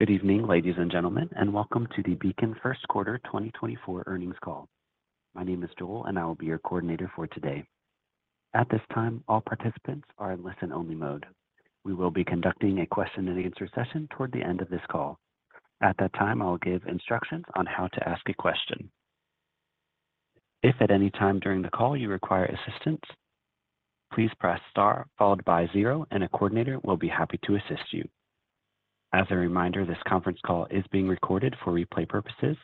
Good evening, ladies and gentlemen, and welcome to the Beacon Q1 2024 earnings call. My name is Joel, and I will be your coordinator for today. At this time, all participants are in listen-only mode. We will be conducting a question-and-answer session toward the end of this call. At that time, I will give instructions on how to ask a question. If at any time during the call you require assistance, please press star followed by 0, and a coordinator will be happy to assist you. As a reminder, this conference call is being recorded for replay purposes.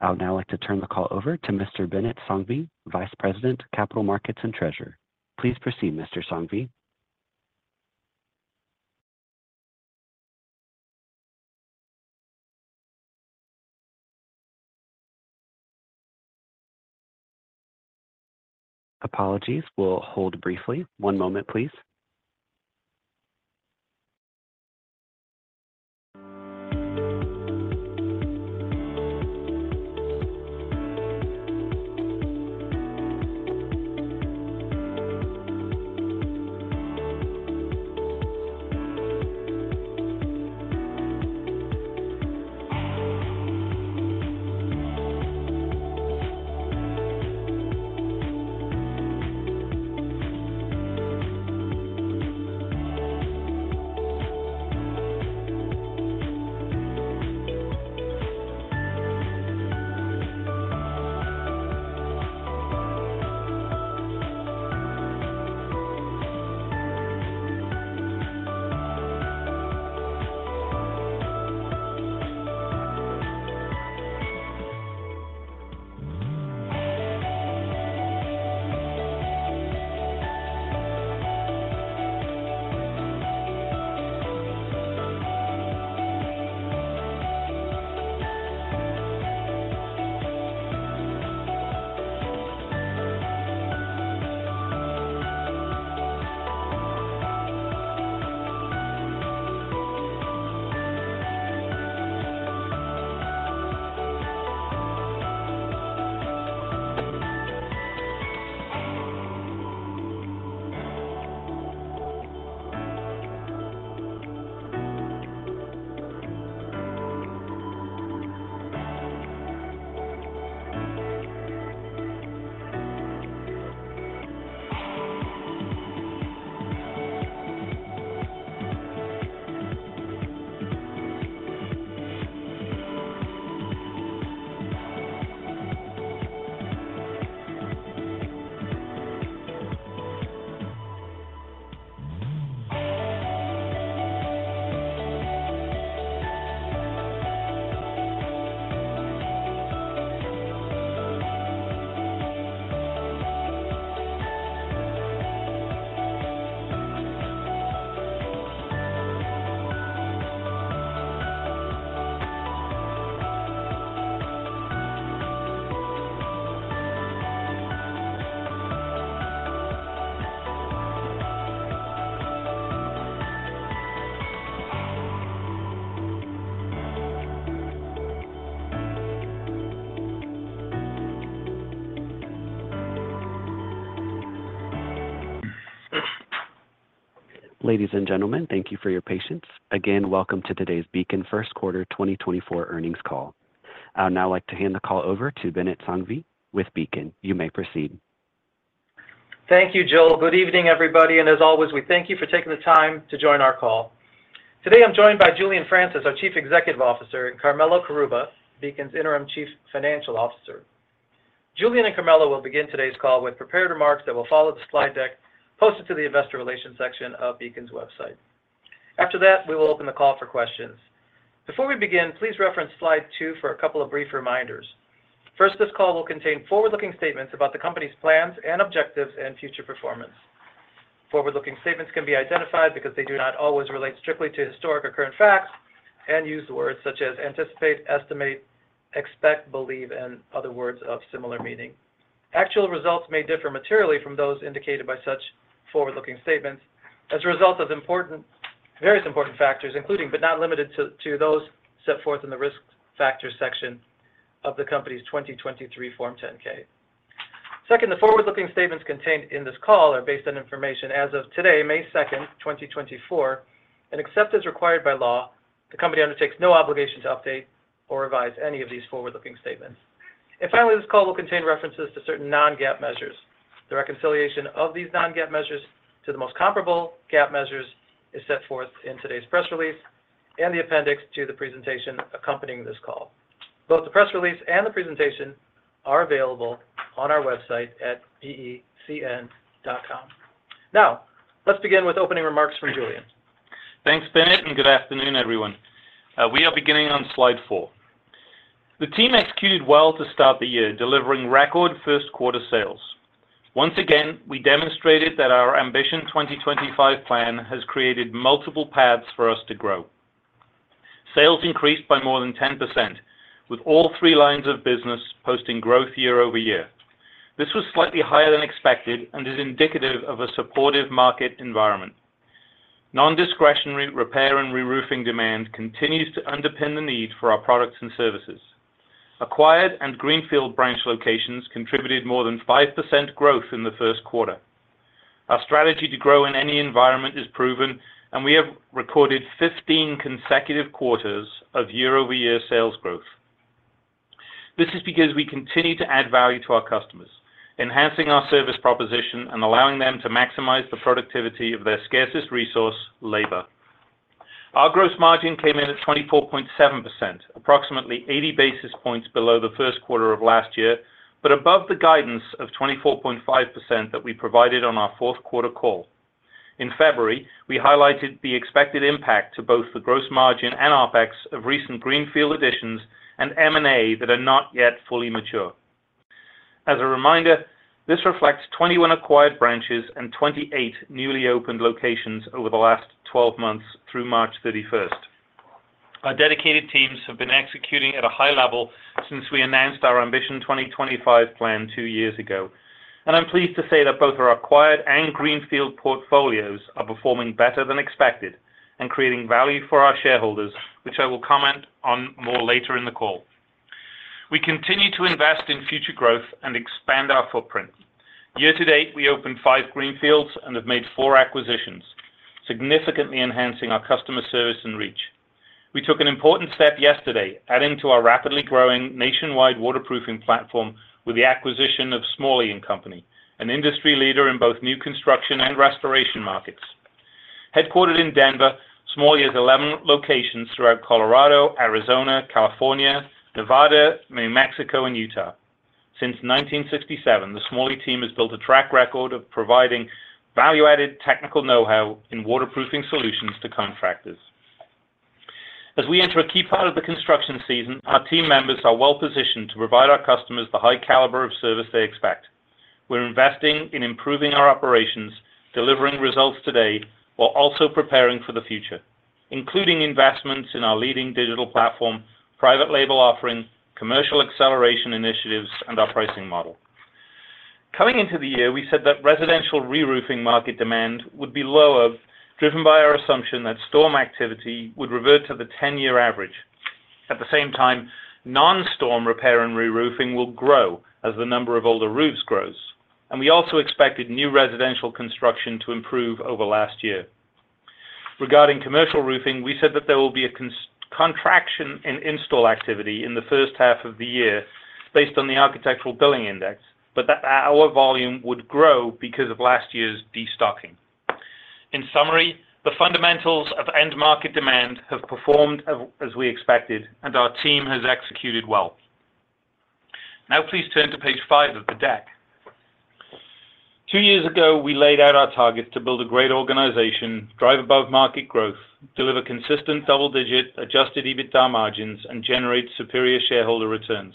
I would now like to turn the call over to Mr. Binit Sanghvi, Vice President, Capital Markets and Treasurer. Please proceed, Mr. Sanghvi. Apologies. We'll hold briefly. One moment, please. Ladies and gentlemen, thank you for your patience. Again, welcome to today's Beacon Q1 2024 earnings call. I would now like to hand the call over to Binit Sanghvi with Beacon. You may proceed. Thank you, Joel. Good evening, everybody. And as always, we thank you for taking the time to join our call. Today I'm joined by Julian Francis, our Chief Executive Officer, and Carmelo Carrubba, Beacon's Interim Chief Financial Officer. Julian and Carmelo will begin today's call with prepared remarks that will follow the slide deck posted to the Investor Relations section of Beacon's website. After that, we will open the call for questions. Before we begin, please reference slide two for a couple of brief reminders. First, this call will contain forward-looking statements about the company's plans and objectives and future performance. Forward-looking statements can be identified because they do not always relate strictly to historic or current facts and use words such as anticipate, estimate, expect, believe, and other words of similar meaning. Actual results may differ materially from those indicated by such forward-looking statements as a result of various important factors, including but not limited to those set forth in the Risk Factors section of the company's 2023 Form 10-K. Second, the forward-looking statements contained in this call are based on information as of today, May 2, 2024, and except as required by law, the company undertakes no obligation to update or revise any of these forward-looking statements. Finally, this call will contain references to certain non-GAAP measures. The reconciliation of these non-GAAP measures to the most comparable GAAP measures is set forth in today's press release and the appendix to the presentation accompanying this call. Both the press release and the presentation are available on our website at becn.com. Now, let's begin with opening remarks from Julian. Thanks, Binit, and good afternoon, everyone. We are beginning on slide 4. The team executed well to start the year, delivering record first-quarter sales. Once again, we demonstrated that our Ambition 2025 plan has created multiple paths for us to grow. Sales increased by more than 10%, with all three lines of business posting growth year-over-year. This was slightly higher than expected and is indicative of a supportive market environment. Nondiscretionary repair and reroofing demand continues to underpin the need for our products and services. Acquired and Greenfield branch locations contributed more than 5% growth in the Q1. Our strategy to grow in any environment is proven, and we have recorded 15 consecutive quarters of year-over-year sales growth. This is because we continue to add value to our customers, enhancing our service proposition and allowing them to maximize the productivity of their scarcest resource, labor. Our gross margin came in at 24.7%, approximately 80 basis points below the Q1 of last year but above the guidance of 24.5% that we provided on our fourth-quarter call. In February, we highlighted the expected impact to both the gross margin and OPEX of recent Greenfield additions and M&A that are not yet fully mature. As a reminder, this reflects 21 acquired branches and 28 newly opened locations over the last 12 months through March 31. Our dedicated teams have been executing at a high level since we announced our Ambition 2025 plan two years ago. I'm pleased to say that both our acquired and Greenfield portfolios are performing better than expected and creating value for our shareholders, which I will comment on more later in the call. We continue to invest in future growth and expand our footprint. Year to date, we opened 5 greenfields and have made 4 acquisitions, significantly enhancing our customer service and reach. We took an important step yesterday, adding to our rapidly growing nationwide waterproofing platform with the acquisition of Smalley & Company, an industry leader in both new construction and restoration markets. Headquartered in Denver, Smorley has 11 locations throughout Colorado, Arizona, California, Nevada, New Mexico, and Utah. Since 1967, the Smalley team has built a track record of providing value-added technical know-how in waterproofing solutions to contractors. As we enter a key part of the construction season, our team members are well positioned to provide our customers the high caliber of service they expect. We're investing in improving our operations, delivering results today, while also preparing for the future, including investments in our leading digital platform, private label offering, commercial acceleration initiatives, and our pricing model. Coming into the year, we said that residential reroofing market demand would be lower, driven by our assumption that storm activity would revert to the 10-year average. At the same time, non-storm repair and reroofing will grow as the number of older roofs grows. We also expected new residential construction to improve over last year. Regarding commercial roofing, we said that there will be a contraction in install activity in the first half of the year based on the Architectural Billing Index, but that our volume would grow because of last year's destocking. In summary, the fundamentals of end-market demand have performed as we expected, and our team has executed well. Now, please turn to page 5 of the deck. Two years ago, we laid out our targets to build a great organization, drive above-market growth, deliver consistent double-digit Adjusted EBITDA margins, and generate superior shareholder returns.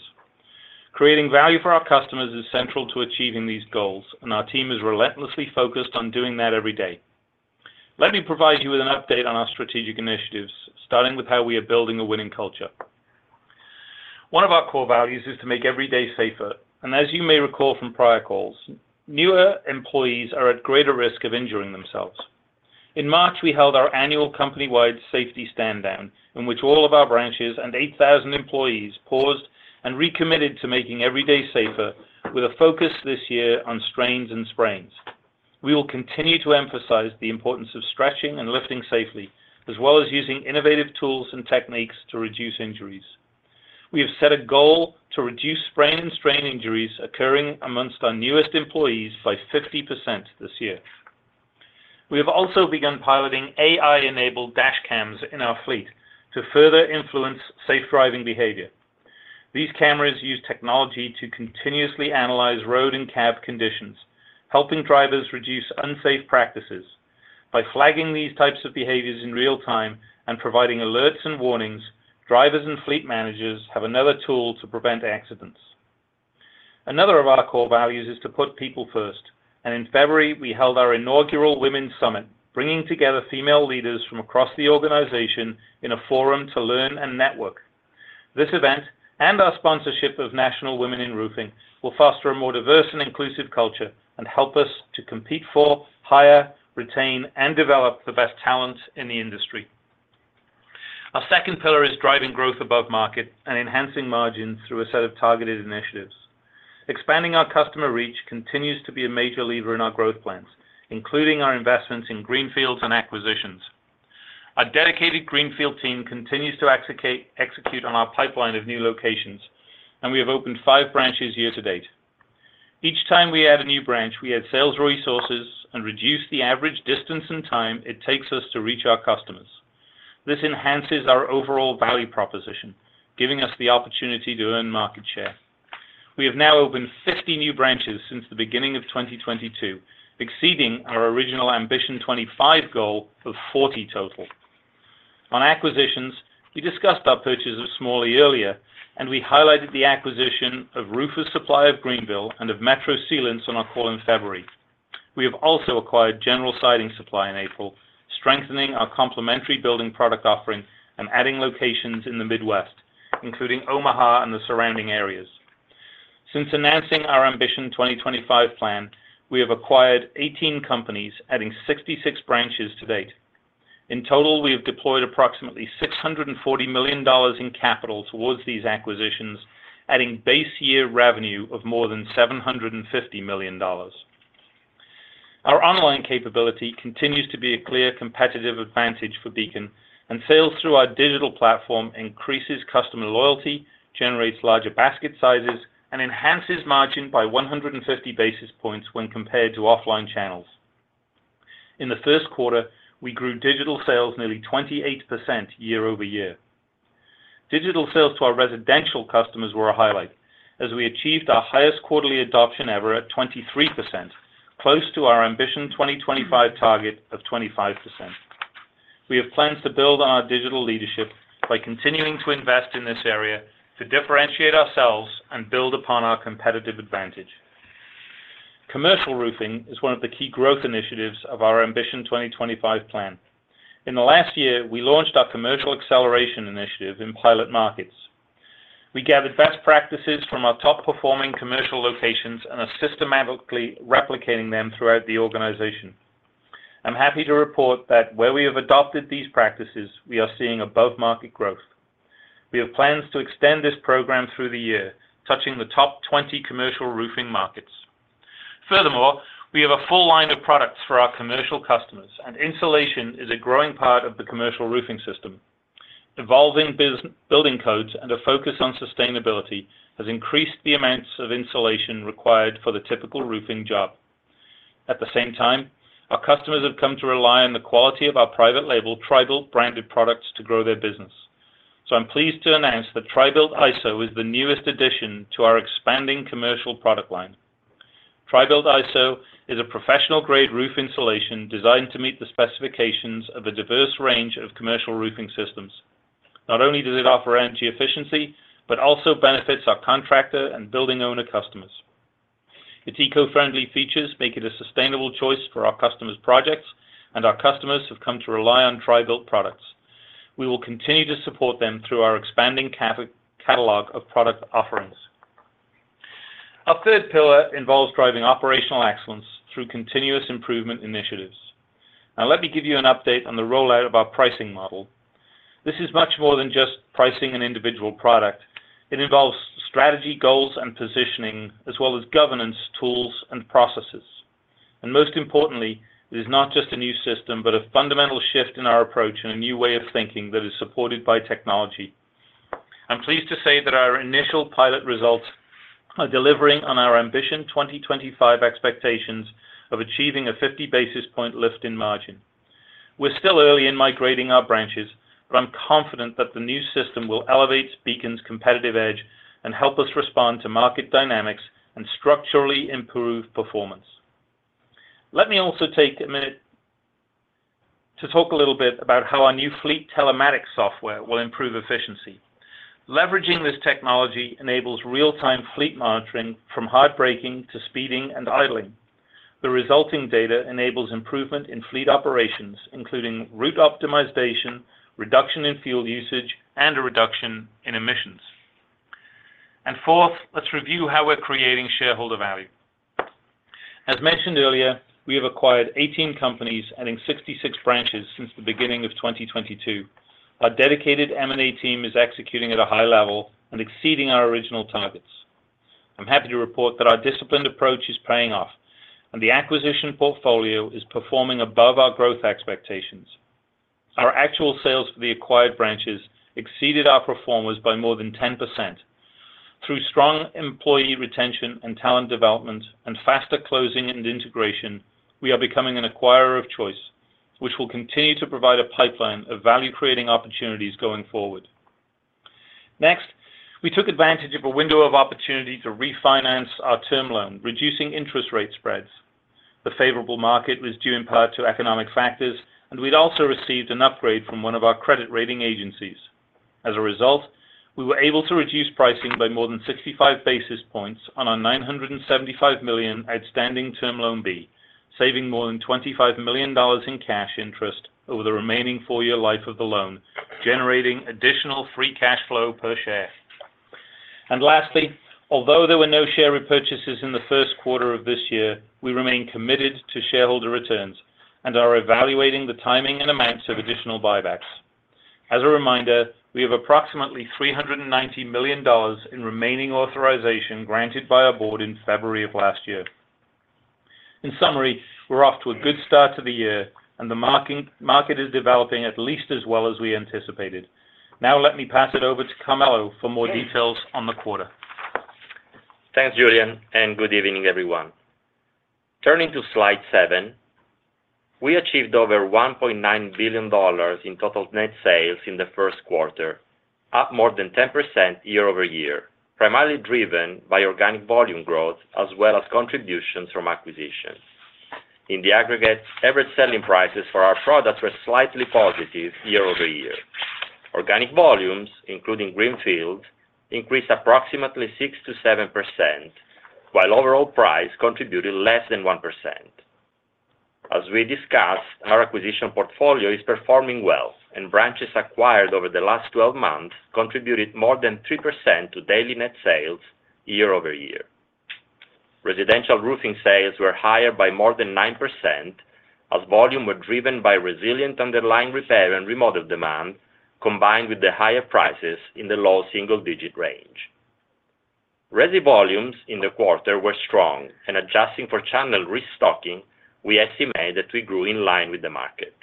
Creating value for our customers is central to achieving these goals, and our team is relentlessly focused on doing that every day. Let me provide you with an update on our strategic initiatives, starting with how we are building a winning culture. One of our core values is to make every day safer. As you may recall from prior calls, newer employees are at greater risk of injuring themselves. In March, we held our annual company-wide safety standdown, in which all of our branches and 8,000 employees paused and recommitted to making every day safer, with a focus this year on strains and sprains. We will continue to emphasize the importance of stretching and lifting safely, as well as using innovative tools and techniques to reduce injuries. We have set a goal to reduce sprain and strain injuries occurring amongst our newest employees by 50% this year. We have also begun piloting AI-enabled dashcams in our fleet to further influence safe driving behavior. These cameras use technology to continuously analyze road and cab conditions, helping drivers reduce unsafe practices. By flagging these types of behaviors in real time and providing alerts and warnings, drivers and fleet managers have another tool to prevent accidents. Another of our core values is to put people first. In February, we held our inaugural Women's Summit, bringing together female leaders from across the organization in a forum to learn and network. This event and our sponsorship of National Women in Roofing will foster a more diverse and inclusive culture and help us to compete for, hire, retain, and develop the best talent in the industry. Our second pillar is driving growth above market and enhancing margins through a set of targeted initiatives. Expanding our customer reach continues to be a major lever in our growth plans, including our investments in Greenfields and acquisitions. Our dedicated Greenfield team continues to execute on our pipeline of new locations, and we have opened 5 branches year to date. Each time we add a new branch, we add sales resources and reduce the average distance and time it takes us to reach our customers. This enhances our overall value proposition, giving us the opportunity to earn market share. We have now opened 50 new branches since the beginning of 2022, exceeding our original Ambition 25 goal of 40 total. On acquisitions, we discussed our purchase of Smorley earlier, and we highlighted the acquisition of Roofers Supply of Greenville and of Metro Sealants on our call in February. We have also acquired General Siding Supply in April, strengthening our complementary building product offering and adding locations in the Midwest, including Omaha and the surrounding areas. Since announcing our Ambition 2025 plan, we have acquired 18 companies, adding 66 branches to date. In total, we have deployed approximately $640 million in capital towards these acquisitions, adding base-year revenue of more than $750 million. Our online capability continues to be a clear competitive advantage for Beacon, and sales through our digital platform increases customer loyalty, generates larger basket sizes, and enhances margin by 150 basis points when compared to offline channels. In the Q1, we grew digital sales nearly 28% year-over-year. Digital sales to our residential customers were a highlight, as we achieved our highest quarterly adoption ever at 23%, close to our Ambition 2025 target of 25%. We have plans to build on our digital leadership by continuing to invest in this area to differentiate ourselves and build upon our competitive advantage. Commercial roofing is one of the key growth initiatives of our Ambition 2025 plan. In the last year, we launched our Commercial Acceleration Initiative in pilot markets. We gathered best practices from our top-performing commercial locations and are systematically replicating them throughout the organization. I'm happy to report that where we have adopted these practices, we are seeing above-market growth. We have plans to extend this program through the year, touching the top 20 commercial roofing markets. Furthermore, we have a full line of products for our commercial customers, and insulation is a growing part of the commercial roofing system. Evolving building codes and a focus on sustainability have increased the amounts of insulation required for the typical roofing job. At the same time, our customers have come to rely on the quality of our private label TRI-BUILT branded products to grow their business. So I'm pleased to announce that TRI-BUILT ISO is the newest addition to our expanding commercial product line. TRI-BUILT ISO is a professional-grade roof insulation designed to meet the specifications of a diverse range of commercial roofing systems. Not only does it offer energy efficiency, but also benefits our contractor and building owner customers. Its eco-friendly features make it a sustainable choice for our customers' projects, and our customers have come to rely on TRI-BUILT products. We will continue to support them through our expanding catalog of product offerings. Our third pillar involves driving operational excellence through continuous improvement initiatives. Now, let me give you an update on the rollout of our pricing model. This is much more than just pricing an individual product. It involves strategy, goals, and positioning, as well as governance tools and processes. Most importantly, it is not just a new system but a fundamental shift in our approach and a new way of thinking that is supported by technology. I'm pleased to say that our initial pilot results are delivering on our Ambition 2025 expectations of achieving a 50 basis point lift in margin. We're still early in migrating our branches, but I'm confident that the new system will elevate Beacon's competitive edge and help us respond to market dynamics and structurally improve performance. Let me also take a minute to talk a little bit about how our new fleet telematics software will improve efficiency. Leveraging this technology enables real-time fleet monitoring from hard-breaking to speeding and idling. The resulting data enables improvement in fleet operations, including route optimization, reduction in fuel usage, and a reduction in emissions. Fourth, let's review how we're creating shareholder value. As mentioned earlier, we have acquired 18 companies, adding 66 branches since the beginning of 2022. Our dedicated M&A team is executing at a high level and exceeding our original targets. I'm happy to report that our disciplined approach is paying off, and the acquisition portfolio is performing above our growth expectations. Our actual sales for the acquired branches exceeded our pro formas As a result, we were able to reduce pricing by more than 65 basis points on our $975 million outstanding Term Loan B, saving more than $25 million in cash interest over the remaining four-year life of the loan, generating additional free cash flow per share. And lastly, although there were no share repurchases in the Q1 of this year, we remain committed to shareholder returns and are evaluating the timing and amounts of additional buybacks. As a reminder, we have approximately $390 million in remaining authorization granted by our board in February of last year. In summary, we're off to a good start to the year, and the market is developing at least as well as we anticipated. Now, let me pass it over to Carmelo for more details on the quarter. Thanks, Julian, and good evening, everyone. Turning to slide 7, we achieved over $1.9 billion in total net sales in the Q1, up more than 10% year-over-year, primarily driven by organic volume growth as well as contributions from acquisitions. In the aggregate, average selling prices for our products were slightly positive year-over-year. Organic volumes, including Greenfield, increased approximately 6%-7%, while overall price contributed less than 1%. As we discussed, our acquisition portfolio is performing well, and branches acquired over the last 12 months contributed more than 3% to daily net sales year-over-year. Residential roofing sales were higher by more than 9% as volume were driven by resilient underlying repair and remodel demand, combined with the higher prices in the low single-digit range. Res volumes in the quarter were strong, and adjusting for channel restocking, we estimate that we grew in line with the market.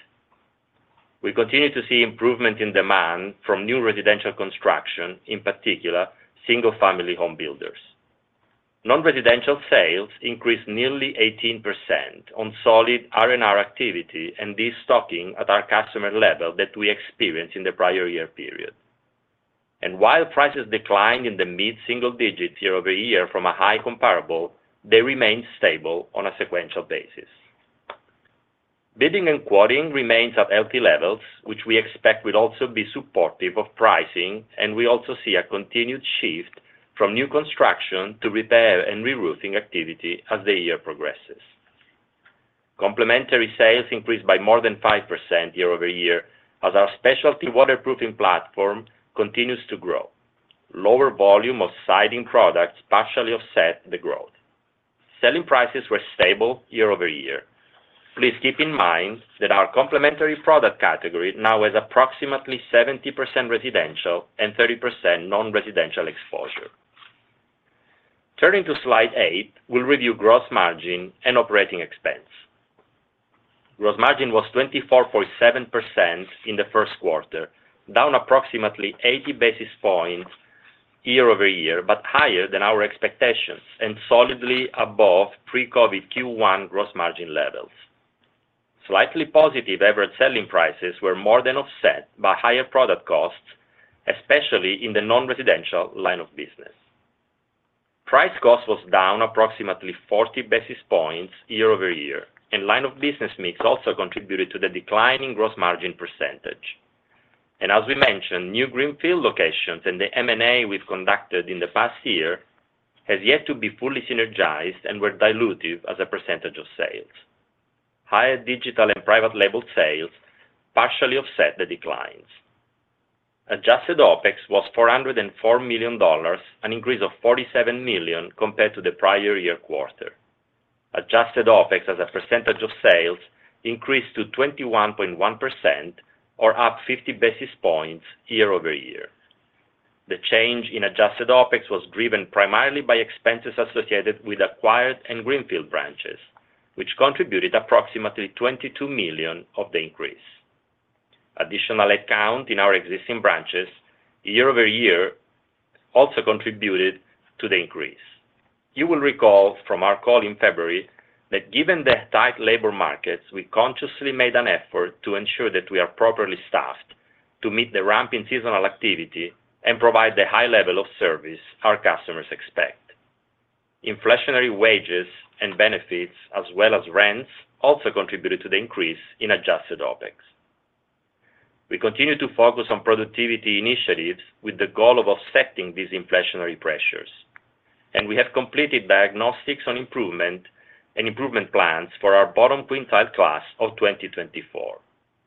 We continue to see improvement in demand from new residential construction, in particular single-family home builders. Non-residential sales increased nearly 18% on solid R&R activity and destocking at our customer level that we experienced in the prior year period. While prices declined in the mid-single-digit year-over-year from a high comparable, they remained stable on a sequential basis. Bidding and quoting remains at healthy levels, which we expect will also be supportive of pricing, and we also see a continued shift from new construction to repair and reroofing activity as the year progresses. Complementary sales increased by more than 5% year-over-year as our specialty waterproofing platform continues to grow. Lower volume of siding products partially offset the growth. Selling prices were stable year-over-year. Please keep in mind that our complementary product category now has approximately 70% residential and 30% non-residential exposure. Turning to slide 8, we'll review gross margin and operating expense. Gross margin was 24.7% in the Q1, down approximately 80 basis points year-over-year, but higher than our expectations and solidly above pre-COVID Q1 gross margin levels. Slightly positive average selling prices were more than offset by higher product costs, especially in the non-residential line of business. Price-cost was down approximately 40 basis points year-over-year, and line of business mix also contributed to the declining gross margin percentage. As we mentioned, new Greenfield locations and the M&A we've conducted in the past year has yet to be fully synergized and were dilutive as a percentage of sales. Higher digital and private label sales partially offset the declines. Adjusted OPEX was $404 million, an increase of $47 million compared to the prior year quarter. Adjusted OPEX as a percentage of sales increased to 21.1%, or up 50 basis points year-over-year. The change in adjusted OPEX was driven primarily by expenses associated with acquired and Greenfield branches, which contributed approximately $22 million of the increase. Additional headcount in our existing branches year-over-year also contributed to the increase. You will recall from our call in February that given the tight labor markets, we consciously made an effort to ensure that we are properly staffed to meet the ramping seasonal activity and provide the high level of service our customers expect. Inflationary wages and benefits, as well as rents, also contributed to the increase in adjusted OPEX. We continue to focus on productivity initiatives with the goal of offsetting these inflationary pressures, and we have completed diagnostics on improvement and improvement plans for our bottom quintile class of 2024.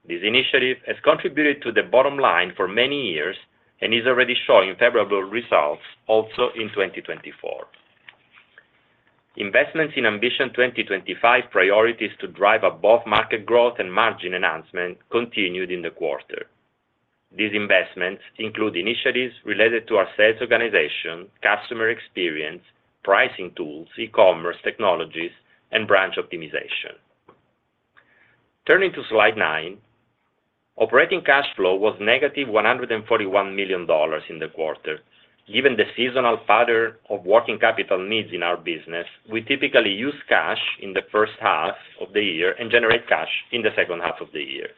This initiative has contributed to the bottom line for many years and is already showing favorable results also in 2024. Investments in Ambition 2025 priorities to drive above-market growth and margin enhancement continued in the quarter. These investments include initiatives related to our sales organization, customer experience, pricing tools, e-commerce technologies, and branch optimization. Turning to slide 9, operating cash flow was negative $141 million in the quarter. Given the seasonal pattern of working capital needs in our business, we typically use cash in the first half of the year and generate cash in the second half of the year.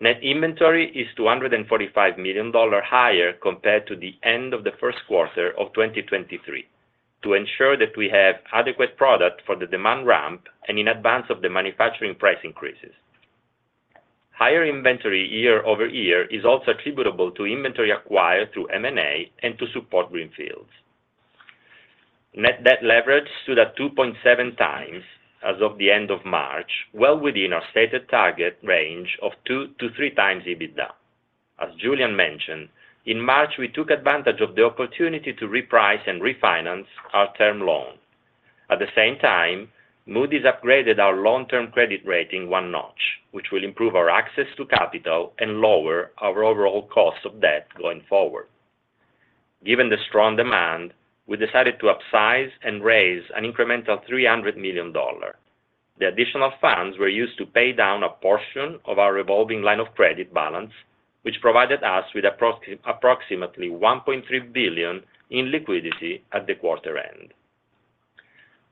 Net inventory is $245 million higher compared to the end of the Q1 of 2023 to ensure that we have adequate product for the demand ramp and in advance of the manufacturing price increases. Higher inventory year-over-year is also attributable to inventory acquired through M&A and to support Greenfields. Net debt leverage stood at 2.7 times as of the end of March, well within our stated target range of 2 to 3 times EBITDA. As Julian mentioned, in March, we took advantage of the opportunity to reprice and refinance our term loan. At the same time, Moody's upgraded our long-term credit rating one notch, which will improve our access to capital and lower our overall cost of debt going forward. Given the strong demand, we decided to upsize and raise an incremental $300 million. The additional funds were used to pay down a portion of our revolving line of credit balance, which provided us with approximately $1.3 billion in liquidity at the quarter end.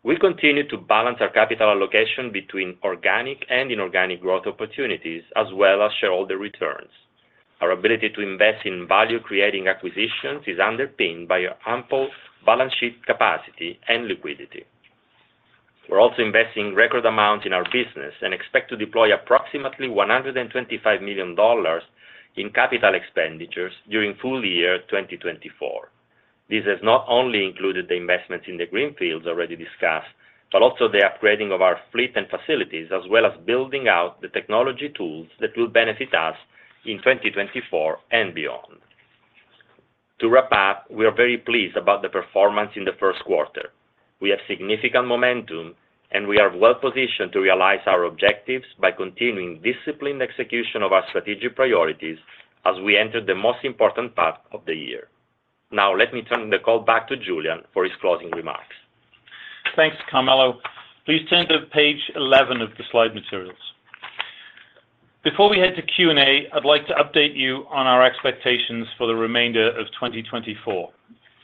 We continue to balance our capital allocation between organic and inorganic growth opportunities as well as shareholder returns. Our ability to invest in value-creating acquisitions is underpinned by our ample balance sheet capacity and liquidity. We're also investing record amounts in our business and expect to deploy approximately $125 million in capital expenditures during full year 2024. This has not only included the investments in the Greenfields already discussed but also the upgrading of our fleet and facilities as well as building out the technology tools that will benefit us in 2024 and beyond. To wrap up, we are very pleased about the performance in the Q1. We have significant momentum, and we are well positioned to realize our objectives by continuing disciplined execution of our strategic priorities as we enter the most important part of the year. Now, let me turn the call back to Julian for his closing remarks. Thanks, Carmelo. Please turn to page 11 of the slide materials. Before we head to Q&A, I'd like to update you on our expectations for the remainder of 2024.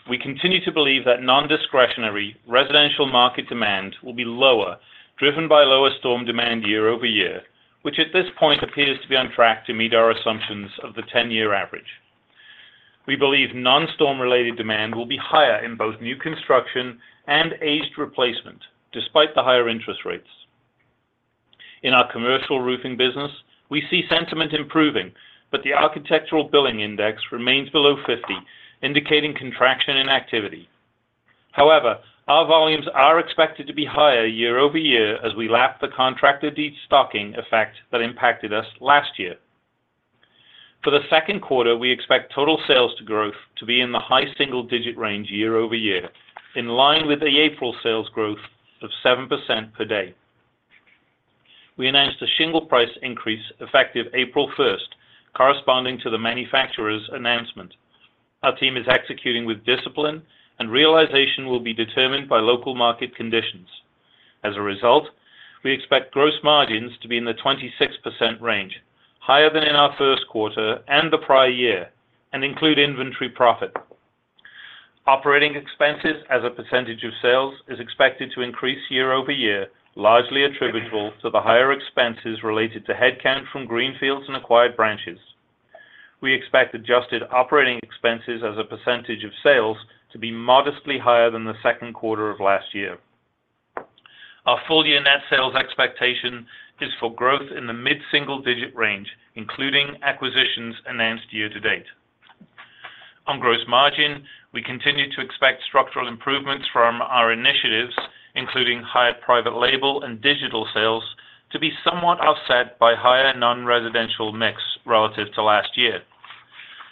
We continue to believe that nondiscretionary residential market demand will be lower, driven by lower storm demand year-over-year, which at this point appears to be on track to meet our assumptions of the 10-year average. We believe non-storm-related demand will be higher in both new construction and aged replacement despite the higher interest rates. In our commercial roofing business, we see sentiment improving, but the architectural billing index remains below 50, indicating contraction in activity. However, our volumes are expected to be higher year-over-year as we lap the contracted deed stocking effect that impacted us last year. For the Q2, we expect total sales growth to be in the high single-digit range year-over-year, in line with the April sales growth of 7% per day. We announced a shingle price increase effective April 1st, corresponding to the manufacturer's announcement. Our team is executing with discipline, and realization will be determined by local market conditions. As a result, we expect gross margins to be in the 26% range, higher than in our Q1 and the prior year, and include inventory profit. Operating expenses as a percentage of sales is expected to increase year-over-year, largely attributable to the higher expenses related to headcount from Greenfield and acquired branches. We expect adjusted operating expenses as a percentage of sales to be modestly higher than the Q2 of last year. Our full-year net sales expectation is for growth in the mid-single-digit range, including acquisitions announced year to date. On gross margin, we continue to expect structural improvements from our initiatives, including higher private label and digital sales, to be somewhat offset by higher non-residential mix relative to last year.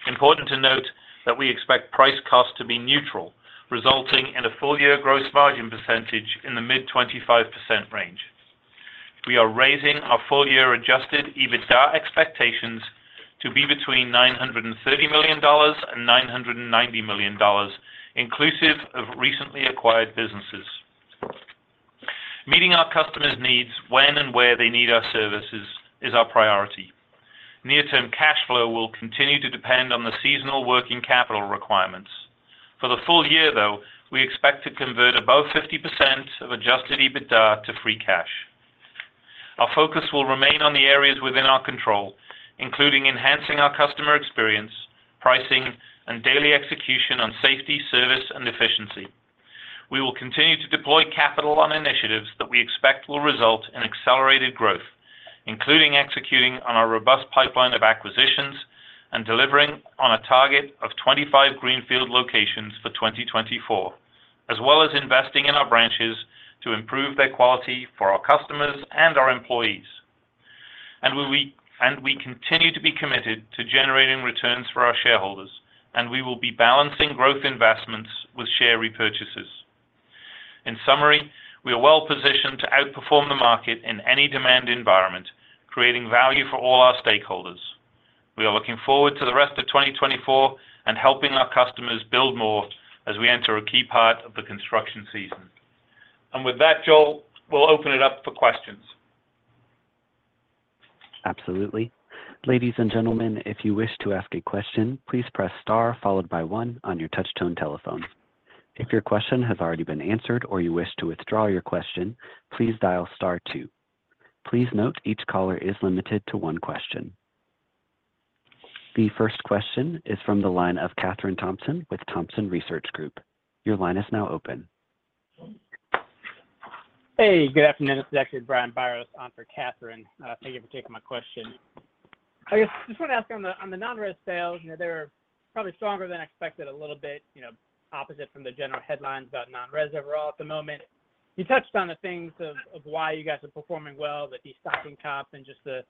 Important to note that we expect price costs to be neutral, resulting in a full-year gross margin percentage in the mid-25% range. We are raising our full-year Adjusted EBITDA expectations to be between $930 million and $990 million, inclusive of recently acquired businesses. Meeting our customers' needs when and where they need our services is our priority. Near-term cash flow will continue to depend on the seasonal working capital requirements. For the full year, though, we expect to convert above 50% of Adjusted EBITDA to free cash. Our focus will remain on the areas within our control, including enhancing our customer experience, pricing, and daily execution on safety, service, and efficiency. We will continue to deploy capital on initiatives that we expect will result in accelerated growth, including executing on our robust pipeline of acquisitions and delivering on a target of 25 Greenfield locations for 2024, as well as investing in our branches to improve their quality for our customers and our employees. We continue to be committed to generating returns for our shareholders, and we will be balancing growth investments with share repurchases. In summary, we are well positioned to outperform the market in any demand environment, creating value for all our stakeholders. We are looking forward to the rest of 2024 and helping our customers build more as we enter a key part of the construction season. With that, Joel, we'll open it up for questions. Absolutely. Ladies and gentlemen, if you wish to ask a question, please press star followed by one on your touchtone telephone. If your question has already been answered or you wish to withdraw your question, please dial star two. Please note each caller is limited to one question. The first question is from the line of Catherine Thompson with Thompson Research Group. Your line is now open. Hey. Good afternoon. This is actually Brian Biros on for Catherine. Thank you for taking my question. I guess I just want to ask on the non-res sales, they're probably stronger than expected a little bit, opposite from the general headlines about non-res overall at the moment. You touched on the things of why you guys are performing well, the de-stocking tops and just the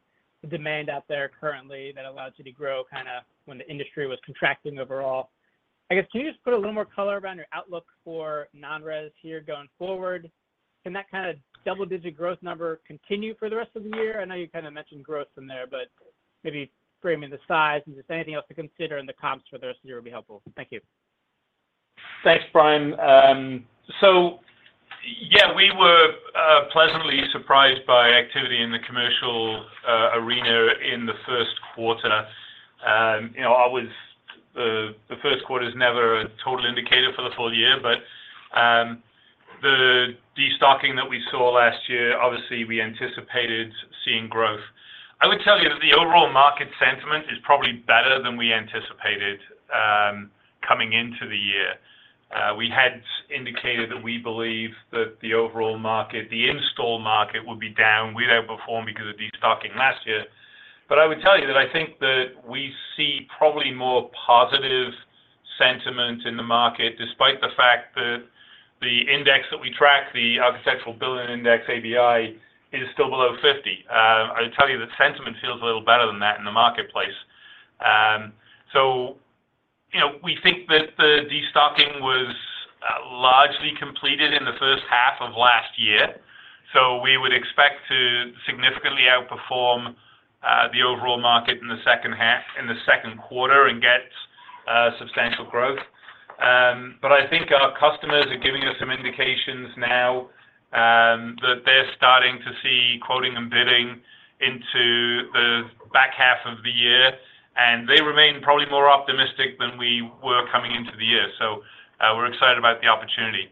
demand out there currently that allowed you to grow kind of when the industry was contracting overall. I guess can you just put a little more color around your outlook for non-res here going forward? Can that kind of double-digit growth number continue for the rest of the year? I know you kind of mentioned growth from there, but maybe framing the size and just anything else to consider and the comps for the rest of the year would be helpful. Thank you. Thanks, Brian. So yeah, we were pleasantly surprised by activity in the commercial arena in the Q1. The Q1 is never a total indicator for the full year, but the de-stocking that we saw last year, obviously, we anticipated seeing growth. I would tell you that the overall market sentiment is probably better than we anticipated coming into the year. We had indicated that we believe that the overall market, the install market, would be down. We didn't perform because of de-stocking last year. But I would tell you that I think that we see probably more positive sentiment in the market despite the fact that the index that we track, the Architectural Billing Index (ABI), is still below 50. I would tell you that sentiment feels a little better than that in the marketplace. So we think that the de-stocking was largely completed in the first half of last year. So we would expect to significantly outperform the overall market in the Q2 and get substantial growth. But I think our customers are giving us some indications now that they're starting to see quoting and bidding into the back half of the year, and they remain probably more optimistic than we were coming into the year. So we're excited about the opportunity.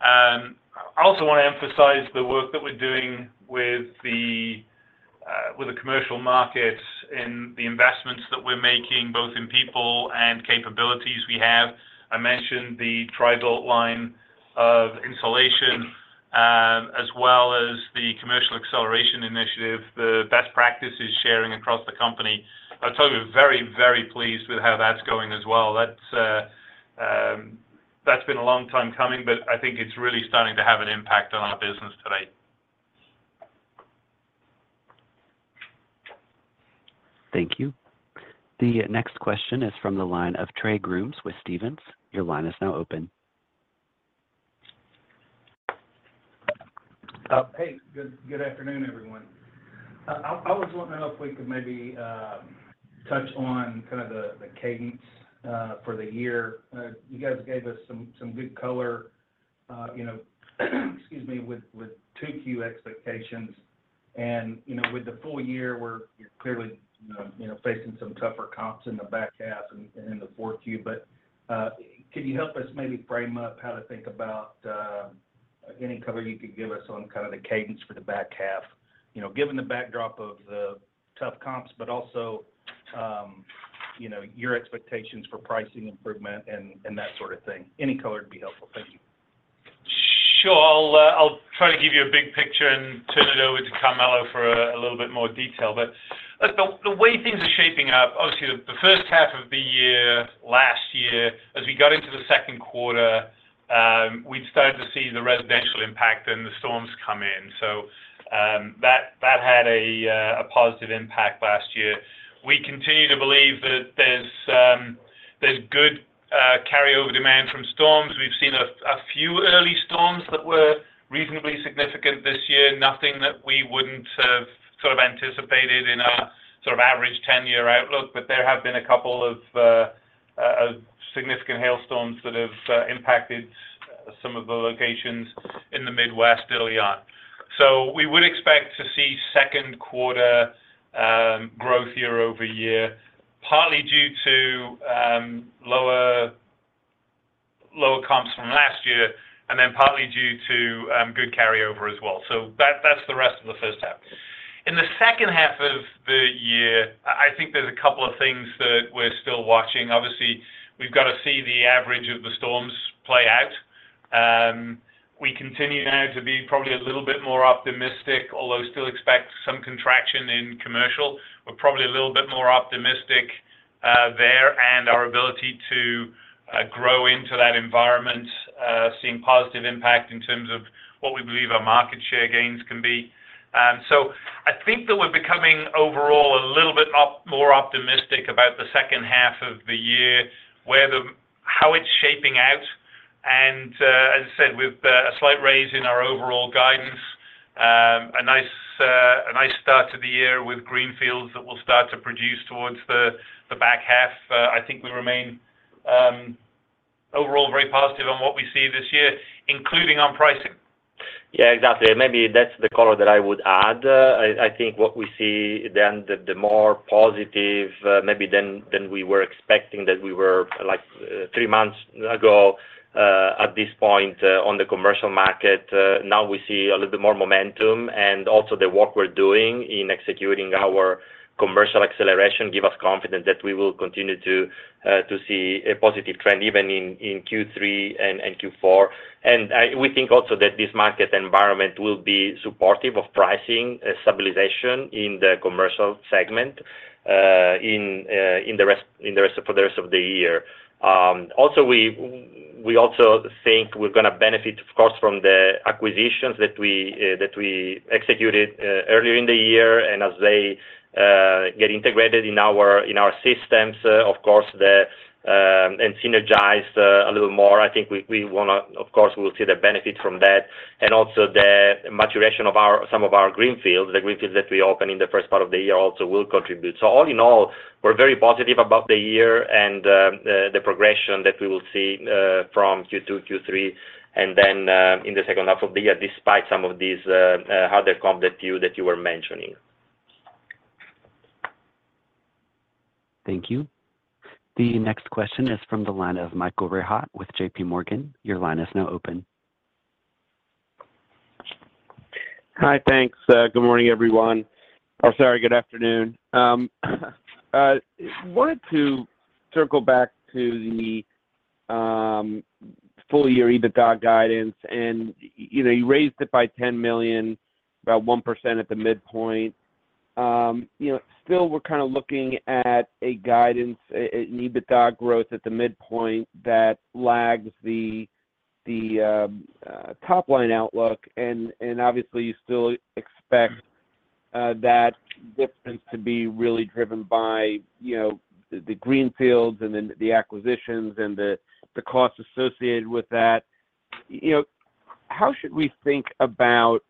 I also want to emphasize the work that we're doing with the commercial markets and the investments that we're making both in people and capabilities we have. I mentioned the TRI-BUILT line of insulation as well as the commercial acceleration initiative, the best practices sharing across the company. I'll tell you, we're very, very pleased with how that's going as well. That's been a long time coming, but I think it's really starting to have an impact on our business today. Thank you. The next question is from the line of Trey Grooms with Stephens. Your line is now open. Hey. Good afternoon, everyone. I was wondering if we could maybe touch on kind of the cadence for the year. You guys gave us some good color, excuse me, with 2Q expectations. And with the full year, we're clearly facing some tougher comps in the back half and in the 4Q. But could you help us maybe frame up how to think about any color you could give us on kind of the cadence for the back half, given the backdrop of the tough comps, but also your expectations for pricing improvement and that sort of thing? Any color would be helpful. Thank you. Sure. I'll try to give you a big picture and turn it over to Carmelo for a little bit more detail. But the way things are shaping up, obviously, the first half of the year last year, as we got into the Q2, we'd started to see the residential impact and the storms come in. So that had a positive impact last year. We continue to believe that there's good carryover demand from storms. We've seen a few early storms that were reasonably significant this year, nothing that we wouldn't have sort of anticipated in our sort of average 10-year outlook. But there have been a couple of significant hailstorms that have impacted some of the locations in the Midwest early on. So we would expect to see Q2 growth year-over-year, partly due to lower comps from last year and then partly due to good carryover as well. So that's the rest of the first half. In the second half of the year, I think there's a couple of things that we're still watching. Obviously, we've got to see the average of the storms play out. We continue now to be probably a little bit more optimistic, although still expect some contraction in commercial. We're probably a little bit more optimistic there and our ability to grow into that environment, seeing positive impact in terms of what we believe our market share gains can be. So I think that we're becoming overall a little bit more optimistic about the second half of the year, how it's shaping out. As I said, with a slight raise in our overall guidance, a nice start to the year with Greenfields that will start to produce towards the back half, I think we remain overall very positive on what we see this year, including on pricing. Yeah, exactly. Maybe that's the color that I would add. I think what we see then, the more positive maybe than we were expecting that we were three months ago at this point on the commercial market, now we see a little bit more momentum. And also the work we're doing in executing our commercial acceleration gives us confidence that we will continue to see a positive trend even in Q3 and Q4. And we think also that this market environment will be supportive of pricing stabilization in the commercial segment for the rest of the year. Also, we also think we're going to benefit, of course, from the acquisitions that we executed earlier in the year. And as they get integrated in our systems, of course, and synergized a little more, I think we want to of course, we will see the benefit from that. And also the maturation of some of our Greenfields, the Greenfields that we open in the first part of the year also will contribute. So all in all, we're very positive about the year and the progression that we will see from Q2, Q3, and then in the second half of the year despite some of these harder comps that you were mentioning. Thank you. The next question is from the line of Michael Rehaut with JP Morgan. Your line is now open. Hi. Thanks. Good morning, everyone. Or sorry, good afternoon. I wanted to circle back to the full-year EBITDA guidance. And you raised it by $10 million, about 1% at the midpoint. Still, we're kind of looking at an EBITDA growth at the midpoint that lags the top-line outlook. And obviously, you still expect that difference to be really driven by the Greenfields and then the acquisitions and the costs associated with that. How should we think about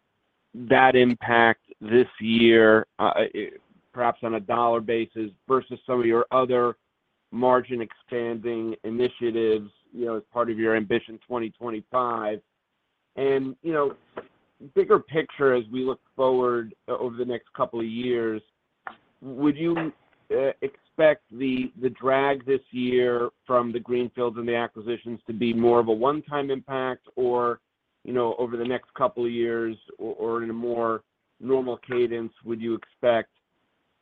that impact this year, perhaps on a dollar basis versus some of your other margin-expanding initiatives as part of your Ambition 2025? Bigger picture, as we look forward over the next couple of years, would you expect the drag this year from the Greenfields and the acquisitions to be more of a one-time impact, or over the next couple of years, or in a more normal cadence, would you expect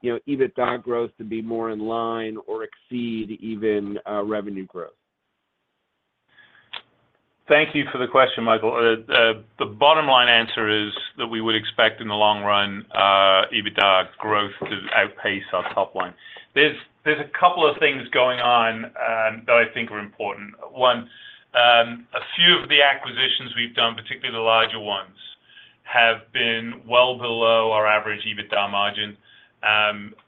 EBITDA growth to be more in line or exceed even revenue growth? Thank you for the question, Michael. The bottom-line answer is that we would expect in the long run EBITDA growth to outpace our top line. There's a couple of things going on that I think are important. One, a few of the acquisitions we've done, particularly the larger ones, have been well below our average EBITDA margin.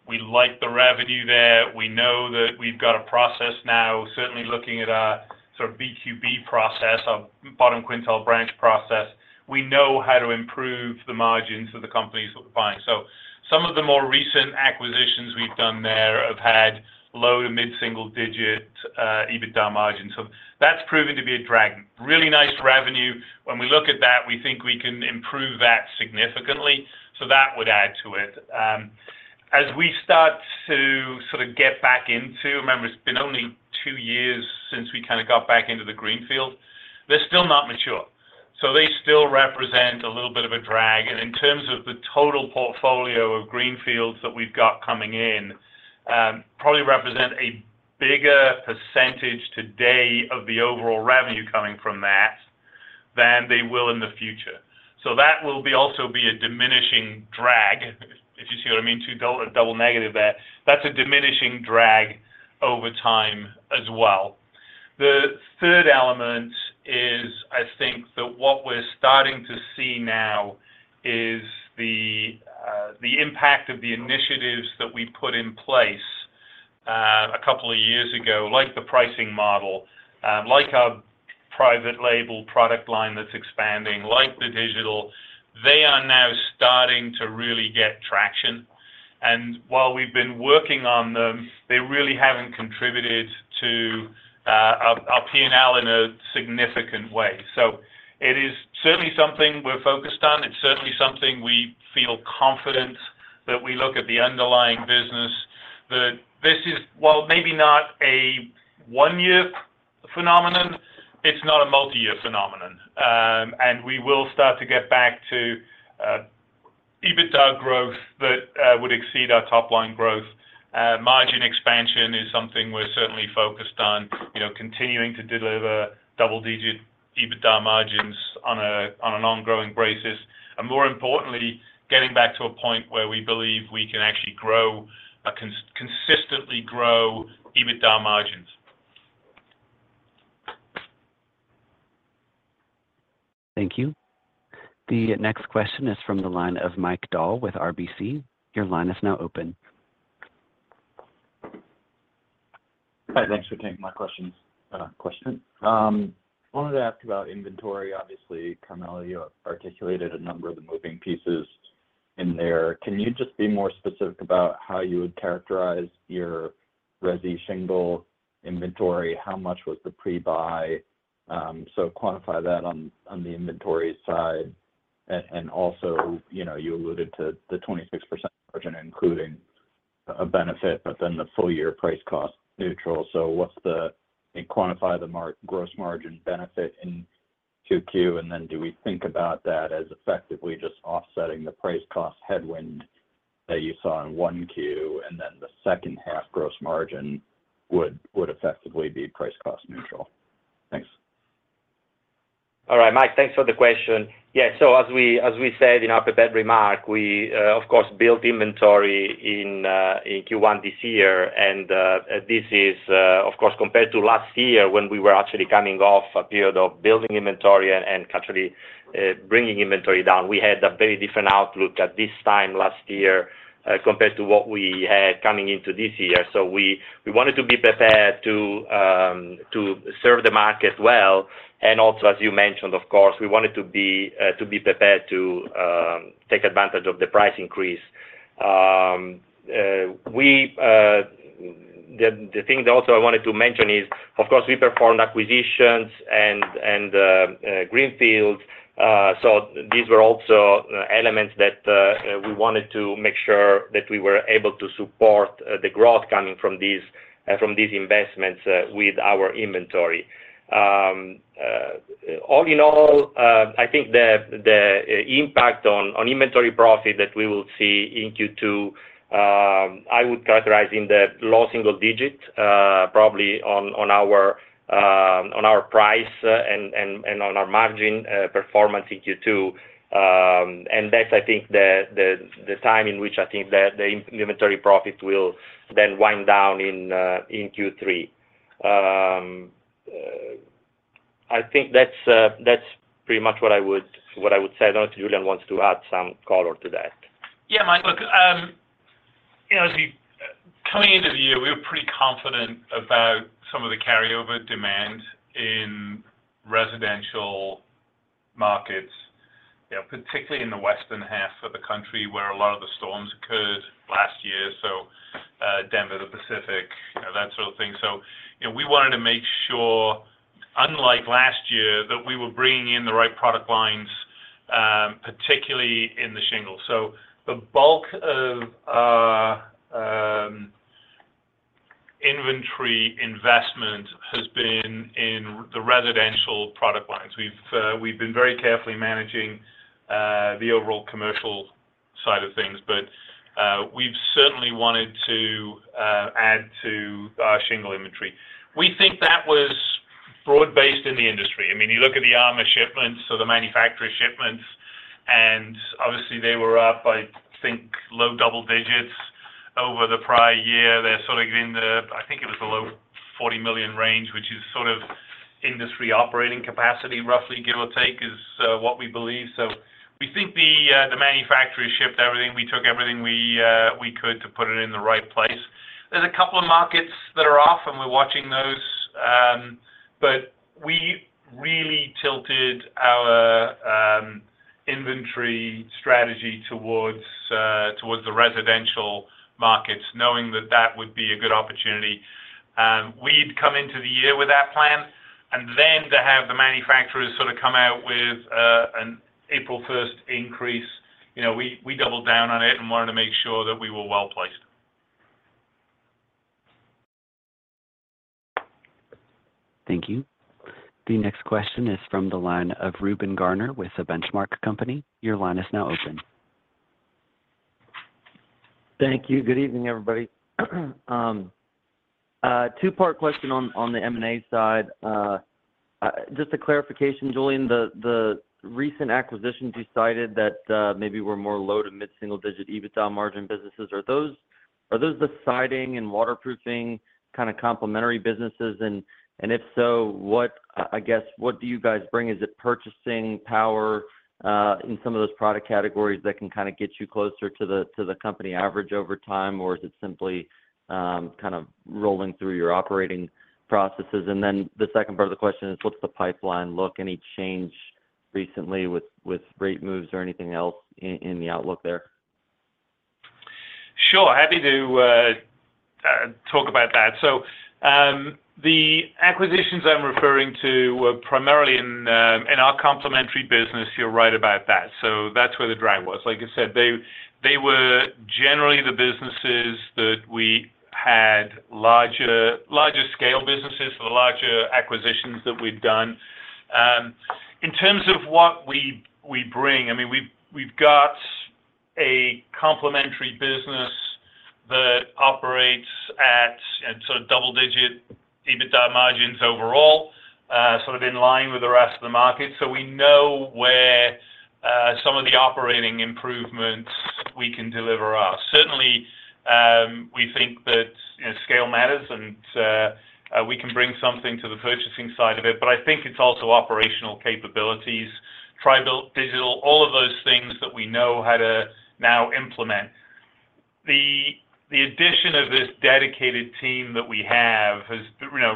We like the revenue there. We know that we've got a process now, certainly looking at our sort of BQB process, our bottom quintile branch process. We know how to improve the margins of the companies that we're buying. So some of the more recent acquisitions we've done there have had low to mid-single-digit EBITDA margins. So that's proven to be a drag. Really nice revenue. When we look at that, we think we can improve that significantly. So that would add to it. As we start to sort of get back into, remember, it's been only two years since we kind of got back into the Greenfield. They're still not mature. So they still represent a little bit of a drag. And in terms of the total portfolio of Greenfields that we've got coming in, probably represent a bigger percentage today of the overall revenue coming from that than they will in the future. So that will also be a diminishing drag, if you see what I mean, two double negative there. That's a diminishing drag over time as well. The third element is, I think, that what we're starting to see now is the impact of the initiatives that we put in place a couple of years ago, like the pricing model, like our private-label product line that's expanding, like the digital, they are now starting to really get traction. While we've been working on them, they really haven't contributed to our P&L in a significant way. It is certainly something we're focused on. It's certainly something we feel confident that we look at the underlying business that this is, while maybe not a one-year phenomenon, it's not a multi-year phenomenon. We will start to get back to EBITDA growth that would exceed our top-line growth. Margin expansion is something we're certainly focused on, continuing to deliver double-digit EBITDA margins on an ongoing basis. More importantly, getting back to a point where we believe we can actually consistently grow EBITDA margins. Thank you. The next question is from the line of Mike Dahl with RBC. Your line is now open. Hi. Thanks for taking my question. I wanted to ask about inventory. Obviously, Carmelo, you articulated a number of the moving pieces in there. Can you just be more specific about how you would characterize your Resi shingle inventory? How much was the pre-buy? So quantify that on the inventory side. And also, you alluded to the 26% margin including a benefit, but then the full-year price cost neutral. So quantify the gross margin benefit in QQ, and then do we think about that as effectively just offsetting the price cost headwind that you saw in 1Q, and then the second-half gross margin would effectively be price cost neutral? Thanks. All right, Mike. Thanks for the question. Yeah. So as we said in our prepared remark, we, of course, built inventory in Q1 this year. And this is, of course, compared to last year when we were actually coming off a period of building inventory and actually bringing inventory down. We had a very different outlook at this time last year compared to what we had coming into this year. So we wanted to be prepared to serve the market well. And also, as you mentioned, of course, we wanted to be prepared to take advantage of the price increase. The thing that also I wanted to mention is, of course, we performed acquisitions and Greenfields. So these were also elements that we wanted to make sure that we were able to support the growth coming from these investments with our inventory. All in all, I think the impact on inventory profit that we will see in Q2, I would characterize in the low single digit, probably on our price and on our margin performance in Q2. That's, I think, the time in which I think that the inventory profit will then wind down in Q3. I think that's pretty much what I would say. I don't know if Julian wants to add some color to that. Yeah, Mike. Look, as we're coming into the year, we were pretty confident about some of the carryover demand in residential markets, particularly in the western half of the country where a lot of the storms occurred last year, so Denver, the Pacific, that sort of thing. So we wanted to make sure, unlike last year, that we were bringing in the right product lines, particularly in the shingle. So the bulk of our inventory investment has been in the residential product lines. We've been very carefully managing the overall commercial side of things, but we've certainly wanted to add to our shingle inventory. We think that was broad-based in the industry. I mean, you look at the asphalt shipments, so the manufacturer shipments, and obviously, they were up, I think, low double digits over the prior year. They're sort of in the, I think it was the low $40 million range, which is sort of industry operating capacity, roughly, give or take, is what we believe. So we think the manufacturers shipped everything. We took everything we could to put it in the right place. There's a couple of markets that are off, and we're watching those. But we really tilted our inventory strategy towards the residential markets, knowing that that would be a good opportunity. We'd come into the year with that plan, and then to have the manufacturers sort of come out with an April 1st increase, we doubled down on it and wanted to make sure that we were well placed. Thank you. The next question is from the line of Ruben Garner with Benchmark Company. Your line is now open. Thank you. Good evening, everybody. Two-part question on the M&A side. Just a clarification, Julian, the recent acquisitions, you cited that maybe were more low to mid-single-digit EBITDA margin businesses. Are those the siding and waterproofing kind of complementary businesses? And if so, I guess, what do you guys bring? Is it purchasing power in some of those product categories that can kind of get you closer to the company average over time, or is it simply kind of rolling through your operating processes? And then the second part of the question is, what's the pipeline look? Any change recently with rate moves or anything else in the outlook there? Sure. Happy to talk about that. So the acquisitions I'm referring to were primarily in our complementary business. You're right about that. So that's where the drag was. Like I said, they were generally the businesses that we had larger-scale businesses, so the larger acquisitions that we'd done. In terms of what we bring, I mean, we've got a complementary business that operates at sort of double-digit EBITDA margins overall, sort of in line with the rest of the market. So we know where some of the operating improvements we can deliver are. Certainly, we think that scale matters, and we can bring something to the purchasing side of it. But I think it's also operational capabilities, our digital, all of those things that we know how to now implement. The addition of this dedicated team that we have has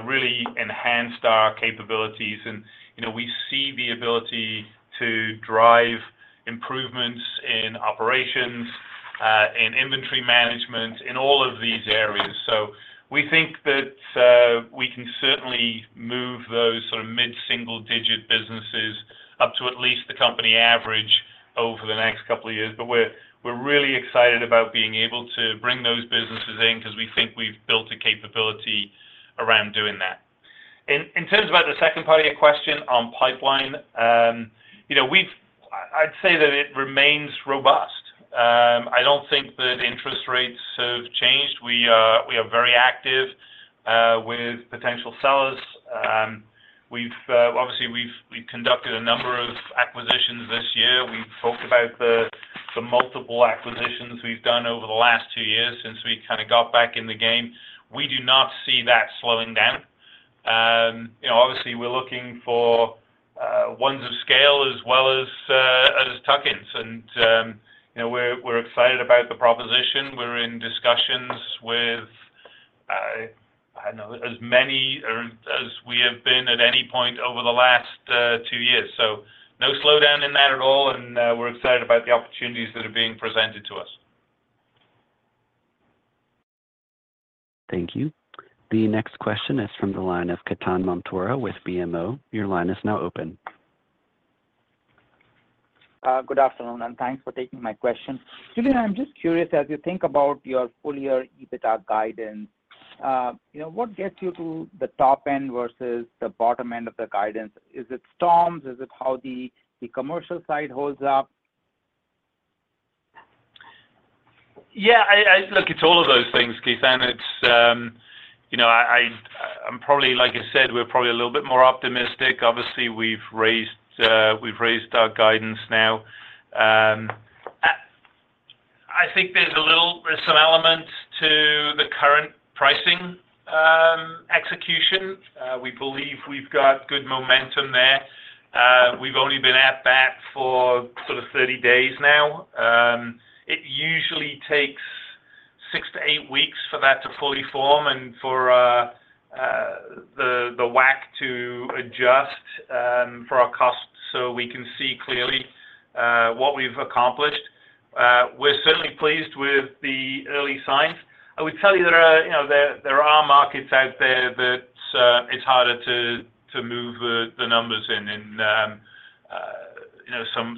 really enhanced our capabilities. We see the ability to drive improvements in operations, in inventory management, in all of these areas. We think that we can certainly move those sort of mid-single-digit businesses up to at least the company average over the next couple of years. We're really excited about being able to bring those businesses in because we think we've built a capability around doing that. In terms of the second part of your question on pipeline, I'd say that it remains robust. I don't think that interest rates have changed. We are very active with potential sellers. Obviously, we've conducted a number of acquisitions this year. We've talked about the multiple acquisitions we've done over the last two years since we kind of got back in the game. We do not see that slowing down. Obviously, we're looking for ones of scale as well as tuck-ins. We're excited about the proposition. We're in discussions with, I don't know, as many as we have been at any point over the last two years. No slowdown in that at all, and we're excited about the opportunities that are being presented to us. Thank you. The next question is from the line of Ketan Mamtora with BMO. Your line is now open. Good afternoon, and thanks for taking my question. Julian, I'm just curious, as you think about your full-year EBITDA guidance, what gets you to the top end versus the bottom end of the guidance? Is it storms? Is it how the commercial side holds up? Yeah. Look, it's all of those things, Keith. And I'm probably like I said, we're probably a little bit more optimistic. Obviously, we've raised our guidance now. I think there's some elements to the current pricing execution. We believe we've got good momentum there. We've only been at bat for sort of 30 days now. It usually takes 6-8 weeks for that to fully form and for the WAC to adjust for our costs so we can see clearly what we've accomplished. We're certainly pleased with the early signs. I would tell you there are markets out there that it's harder to move the numbers in. In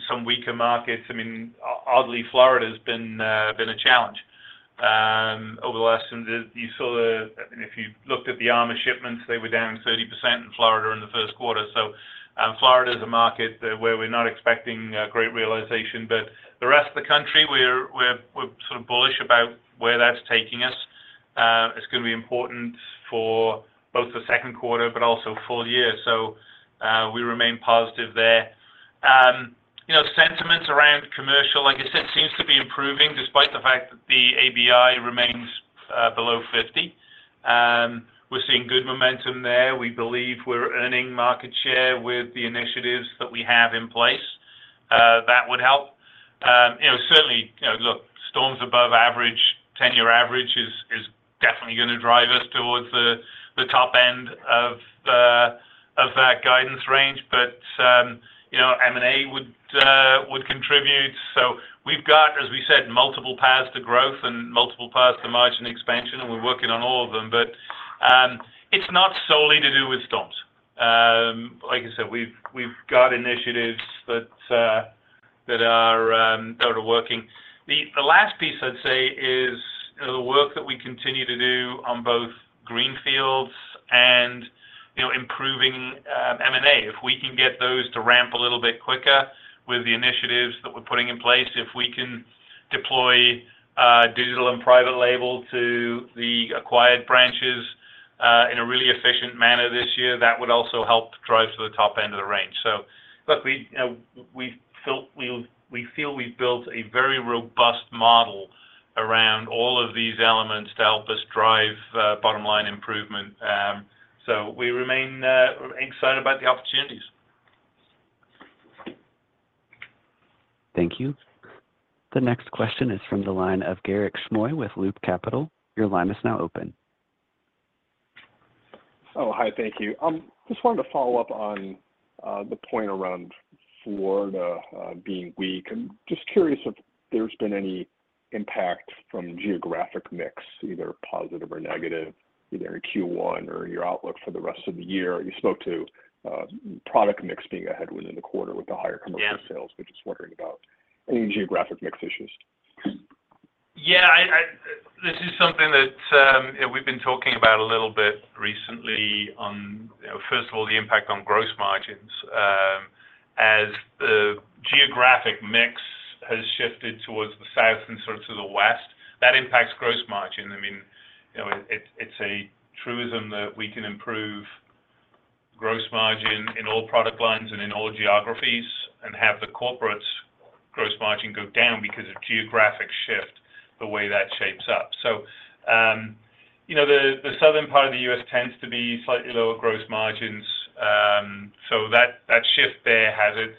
some weaker markets, I mean, oddly, Florida has been a challenge over the last year. I mean, if you looked at the asphalt shipments, they were down 30% in Florida in the Q1. So Florida is a market where we're not expecting great realization. But the rest of the country, we're sort of bullish about where that's taking us. It's going to be important for both the Q2 but also full year. So we remain positive there. Sentiments around commercial, like I said, seems to be improving despite the fact that the ABI remains below 50. We're seeing good momentum there. We believe we're earning market share with the initiatives that we have in place. That would help. Certainly, look, storms above average, 10-year average, is definitely going to drive us towards the top end of that guidance range. But M&A would contribute. So we've got, as we said, multiple paths to growth and multiple paths to margin expansion, and we're working on all of them. But it's not solely to do with storms. Like I said, we've got initiatives that are working. The last piece, I'd say, is the work that we continue to do on both Greenfields and improving M&A. If we can get those to ramp a little bit quicker with the initiatives that we're putting in place, if we can deploy digital and private label to the acquired branches in a really efficient manner this year, that would also help drive to the top end of the range. So look, we feel we've built a very robust model around all of these elements to help us drive bottom-line improvement. So we remain excited about the opportunities. Thank you. The next question is from the line of Garik Shmois with Loop Capital. Your line is now open. Oh, hi. Thank you. Just wanted to follow up on the point around Florida being weak. I'm just curious if there's been any impact from geographic mix, either positive or negative, either in Q1 or in your outlook for the rest of the year. You spoke to product mix being a headwind in the quarter with the higher commercial sales. We're just wondering about any geographic mix issues? Yeah. This is something that we've been talking about a little bit recently on, first of all, the impact on gross margins. As the geographic mix has shifted towards the south and sort of to the west, that impacts gross margin. I mean, it's a truism that we can improve gross margin in all product lines and in all geographies and have the corporate's gross margin go down because of geographic shift, the way that shapes up. So the southern part of the U.S. tends to be slightly lower gross margins. So that shift there has it.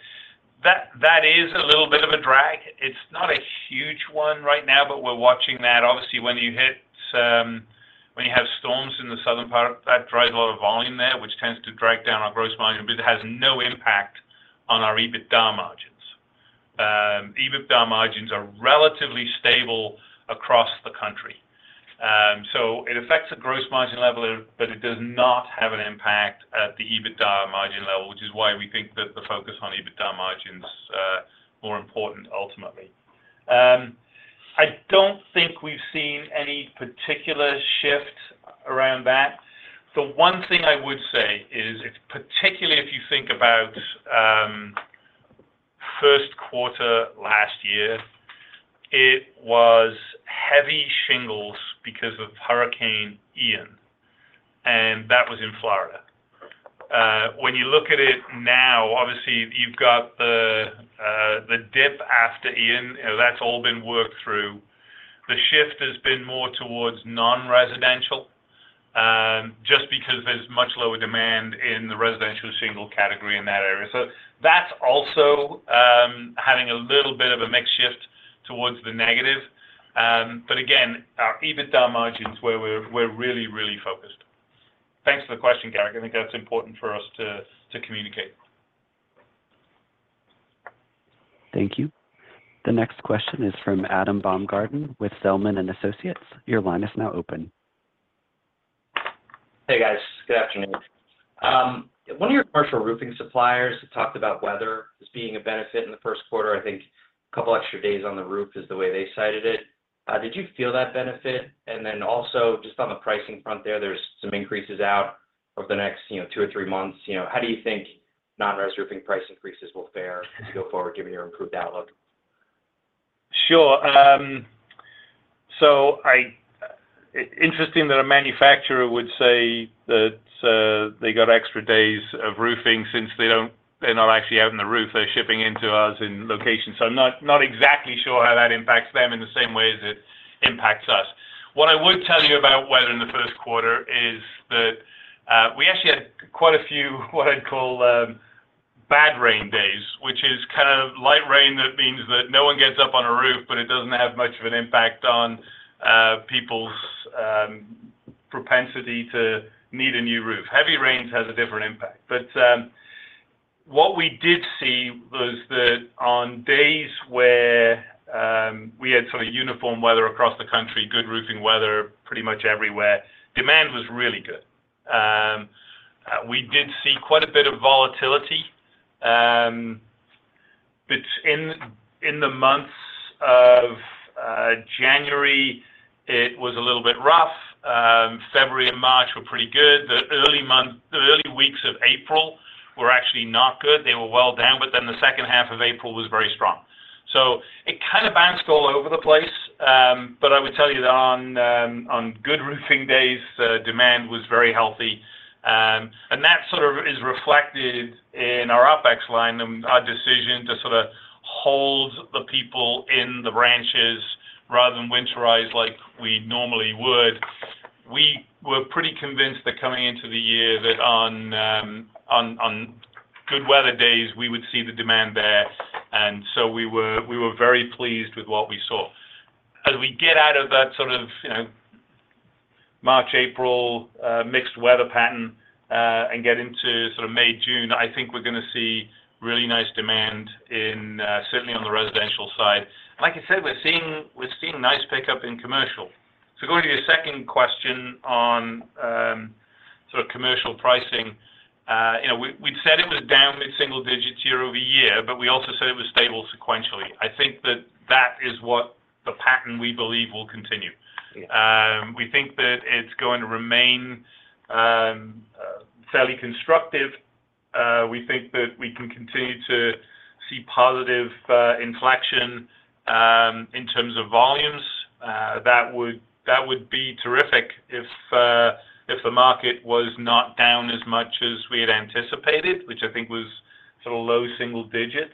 That is a little bit of a drag. It's not a huge one right now, but we're watching that. Obviously, when you have storms in the southern part, that drives a lot of volume there, which tends to drag down our gross margin, but it has no impact on our EBITDA margins. EBITDA margins are relatively stable across the country. So it affects the gross margin level, but it does not have an impact at the EBITDA margin level, which is why we think that the focus on EBITDA margin is more important ultimately. I don't think we've seen any particular shift around that. The one thing I would say is, particularly if you think about Q1 last year, it was heavy shingles because of Hurricane Ian, and that was in Florida. When you look at it now, obviously, you've got the dip after Ian. That's all been worked through. The shift has been more towards non-residential just because there's much lower demand in the residential shingle category in that area. So that's also having a little bit of a mixed shift towards the negative. But again, our EBITDA margin is where we're really, really focused. Thanks for the question, Garrick. I think that's important for us to communicate. Thank you. The next question is from Adam Baumgarten with Zelman & Associates. Your line is now open. Hey, guys. Good afternoon. One of your commercial roofing suppliers talked about weather as being a benefit in the Q1. I think a couple extra days on the roof is the way they cited it. Did you feel that benefit? And then also, just on the pricing front there, there's some increases out over the next two or three months. How do you think non-res roofing price increases will fare as you go forward, given your improved outlook? Sure. So interesting that a manufacturer would say that they got extra days of roofing since they're not actually out on the roof. They're shipping into our locations. So I'm not exactly sure how that impacts them in the same way as it impacts us. What I would tell you about weather in the Q1 is that we actually had quite a few what I'd call bad rain days, which is kind of light rain that means that no one gets up on a roof, but it doesn't have much of an impact on people's propensity to need a new roof. Heavy rains have a different impact. But what we did see was that on days where we had sort of uniform weather across the country, good roofing weather pretty much everywhere, demand was really good. We did see quite a bit of volatility. In the months of January, it was a little bit rough. February and March were pretty good. The early weeks of April were actually not good. They were well down, but then the second half of April was very strong. It kind of bounced all over the place. I would tell you that on good roofing days, demand was very healthy. That sort of is reflected in our OPEX line and our decision to sort of hold the people in the branches rather than winterize like we normally would. We were pretty convinced that coming into the year that on good weather days, we would see the demand there. We were very pleased with what we saw. As we get out of that sort of March, April mixed weather pattern and get into sort of May, June, I think we're going to see really nice demand, certainly on the residential side. Like I said, we're seeing nice pickup in commercial. So going to your second question on sort of commercial pricing, we'd said it was down mid-single digits year-over-year, but we also said it was stable sequentially. I think that that is what the pattern we believe will continue. We think that it's going to remain fairly constructive. We think that we can continue to see positive inflection in terms of volumes. That would be terrific if the market was not down as much as we had anticipated, which I think was sort of low single digits.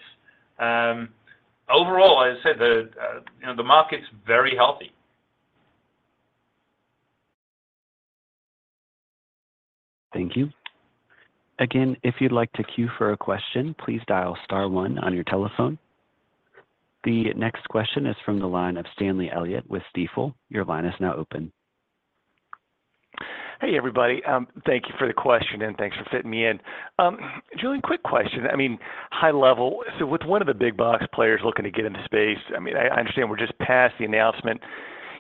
Overall, as I said, the market's very healthy. Thank you. Again, if you'd like to cue for a question, please dial star one on your telephone. The next question is from the line of Stanley Elliott with Stifel. Your line is now open. Hey, everybody. Thank you for the question, and thanks for fitting me in. Julian, quick question. I mean, high level, so with one of the big box players looking to get into space, I mean, I understand we're just past the announcement.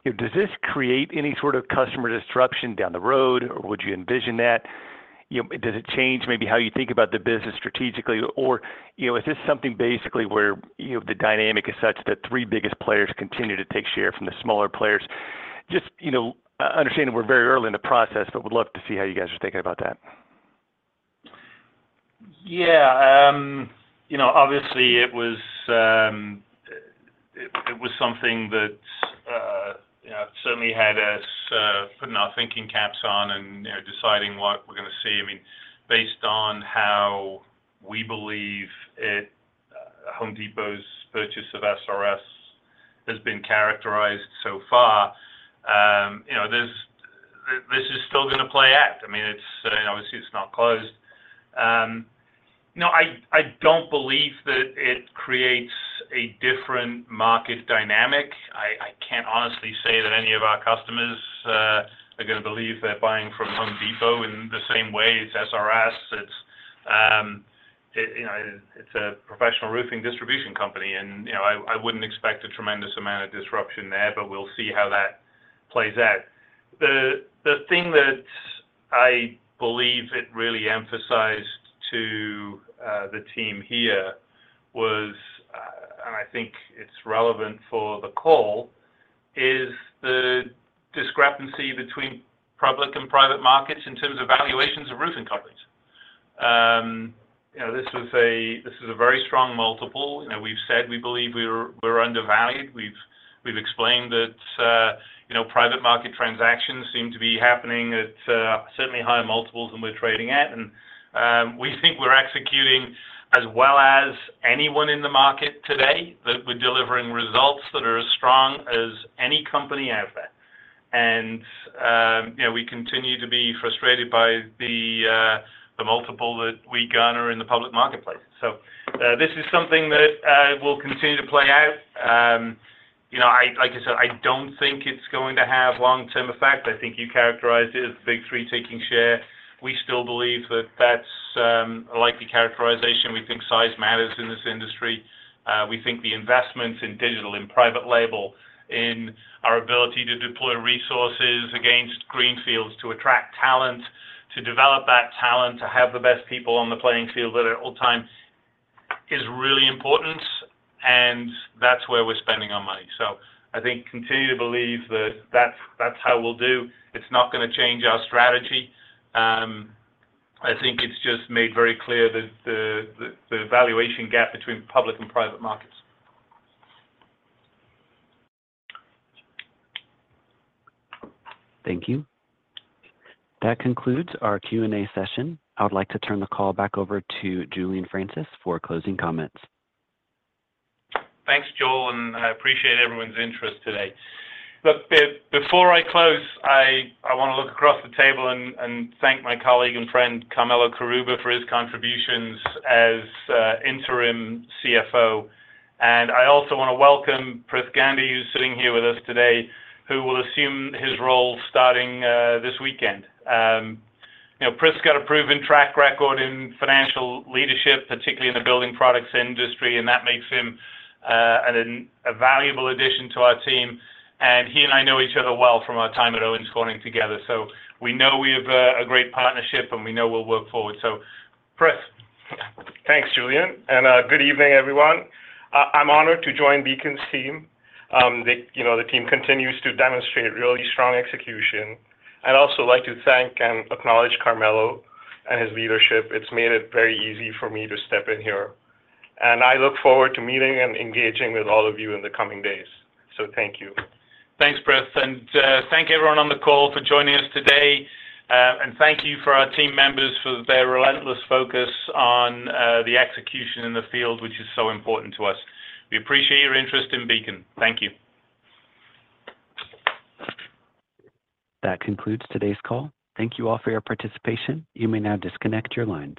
Does this create any sort of customer disruption down the road, or would you envision that? Does it change maybe how you think about the business strategically? Or is this something basically where the dynamic is such that three biggest players continue to take share from the smaller players? Just understanding we're very early in the process, but would love to see how you guys are thinking about that. Yeah. Obviously, it was something that certainly had us putting our thinking caps on and deciding what we're going to see. I mean, based on how we believe Home Depot's purchase of SRS has been characterized so far, this is still going to play out. I mean, obviously, it's not closed. I don't believe that it creates a different market dynamic. I can't honestly say that any of our customers are going to believe they're buying from Home Depot in the same way it's SRS. It's a professional roofing distribution company, and I wouldn't expect a tremendous amount of disruption there, but we'll see how that plays out. The thing that I believe it really emphasized to the team here was, and I think it's relevant for the call, is the discrepancy between public and private markets in terms of valuations of roofing companies. This was a very strong multiple. We've said we believe we're undervalued. We've explained that private market transactions seem to be happening at certainly higher multiples than we're trading at. And we think we're executing as well as anyone in the market today, that we're delivering results that are as strong as any company out there. And we continue to be frustrated by the multiple that we garner in the public marketplace. So this is something that will continue to play out. Like I said, I don't think it's going to have long-term effect. I think you characterized it as the big three taking share. We still believe that that's a likely characterization. We think size matters in this industry. We think the investments in digital, in private label, in our ability to deploy resources against Greenfields to attract talent, to develop that talent, to have the best people on the playing field at all time is really important. And that's where we're spending our money. So I think continue to believe that that's how we'll do. It's not going to change our strategy. I think it's just made very clear the valuation gap between public and private markets. Thank you. That concludes our Q&A session. I would like to turn the call back over to Julian Francis for closing comments. Thanks, Joel. I appreciate everyone's interest today. Look, before I close, I want to look across the table and thank my colleague and friend Carmelo Carrubba for his contributions as Interim CFO. I also want to welcome Prithvi Gandhi, who's sitting here with us today, who will assume his role starting this weekend. Prithvi got a proven track record in financial leadership, particularly in the building products industry, and that makes him a valuable addition to our team. He and I know each other well from our time at Owens Corning together. We know we have a great partnership, and we know we'll work forward. Prithvi. Thanks, Julian. Good evening, everyone. I'm honored to join Beacon's team. The team continues to demonstrate really strong execution. I'd also like to thank and acknowledge Carmelo and his leadership. It's made it very easy for me to step in here. I look forward to meeting and engaging with all of you in the coming days. Thank you. Thanks, Prith. Thank everyone on the call for joining us today. Thank you for our team members for their relentless focus on the execution in the field, which is so important to us. We appreciate your interest in Beacon. Thank you. That concludes today's call. Thank you all for your participation. You may now disconnect your line.